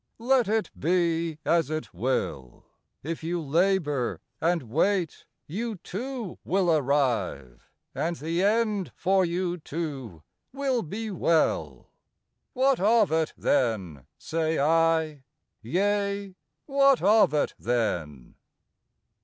Let it be as it will, If you labor and wait, You, too, will arrive, and the end for you, too, will be well. What of it then, say I! yea, what of it then!